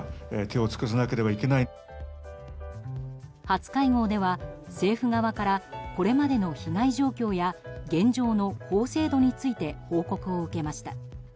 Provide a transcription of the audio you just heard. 初会合では、政府側からこれまでの被害状況や現状の法制度について報告を受けました。